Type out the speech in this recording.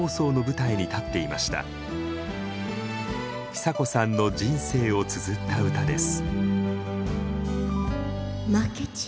久子さんの人生をつづった歌です。